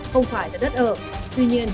không phải là đất ở tuy nhiên